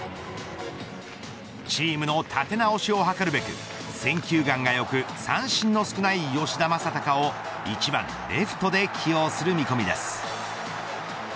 チームの立て直しを図るべく選球眼が良く、三振の少ない吉田正尚を１番レフトで起用する見込みです。